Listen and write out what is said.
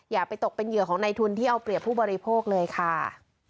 อย่าไปตกเป็นเหยื่อของในทุนที่เอาเปรียบผู้บริโภคเลยค่ะ